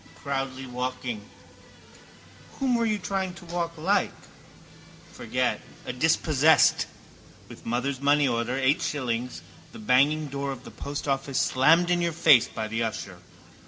Proudly walking. Whom were you trying to walk like? Forget: a dispossessed. With mother's money order, eight shillings, the banging door of the post office slammed in your face by the usher.